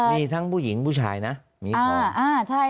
มีทั้งผู้หญิงผู้ชายนะมีคน